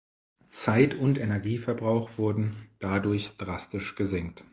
Zeit- und Energieverbrauch wurden dadurch drastisch gesenkt.